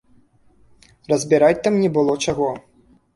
Разбіраць там не было чаго.